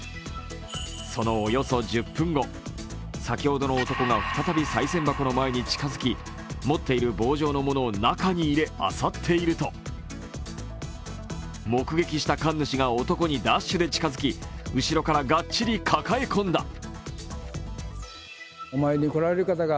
そのおよそ１０分後、先ほどの男が再びさい銭箱の前に近づき持っている棒状のものを中に入れ、あさっていると、目撃した神主が男にダッシュで近づき後ろから、がっちり抱え込んだ。